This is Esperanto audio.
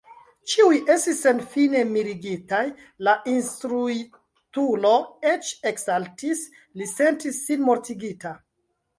Ĉiuj estis senfine mirigitaj, la instruitulo eĉ eksaltis; li sentis sin mortigita!